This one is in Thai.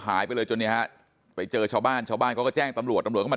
หายไปเลยจนนี้ไปเจอชาวบ้านชาวบ้านก็แจ้งตำรวจตำรวจก็มา